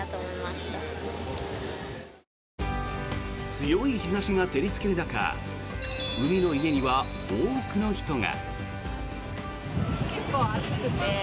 強い日差しが照りつける中海の家には多くの人が。